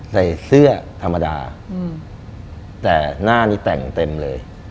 ใส่เสื้อธรรมดาแต่หน้านี้แต่งเต็มเลย